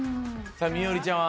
美織ちゃんは？